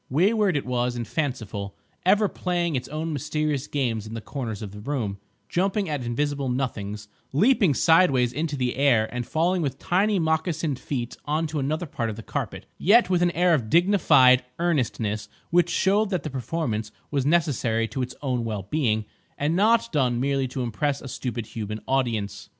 Wayward it was and fanciful, ever playing its own mysterious games in the corners of the room, jumping at invisible nothings, leaping sideways into the air and falling with tiny moccasined feet on to another part of the carpet, yet with an air of dignified earnestness which showed that the performance was necessary to its own well being, and not done merely to impress a stupid human audience.